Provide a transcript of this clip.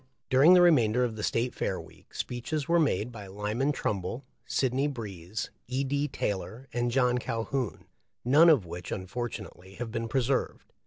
During the remainder of the State Fair week, speeches were made by Lyman Trumbull, Sidney Breese, E. D. Taylor, and John Calhoun, none of which unfortunately have been preserved.